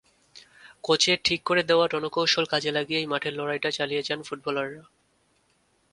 কোচের ঠিক করে দেওয়া রণকৌশল কাজে লাগিয়েই মাঠের লড়াইটা চালিয়ে যান ফুটবলাররা।